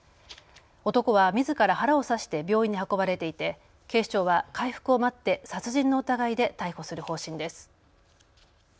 男はみずから腹を刺して病院に運ばれていて警視庁は回復を待って殺人の疑いで逮捕する方針です。